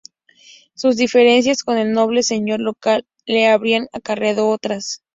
Sus diferencias con el noble señor local le habrían acarreado otras.